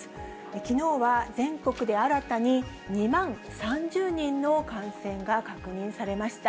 きのうは全国で新たに２万３０人の感染が確認されました。